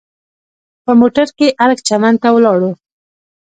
په موټر کې ارګ چمن ته ولاړو.